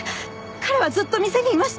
彼はずっと店にいました！